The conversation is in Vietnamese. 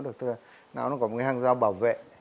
nó có một cái hàng dao bảo vệ